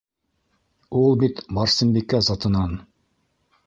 Ул бит Барсынбикә затынан.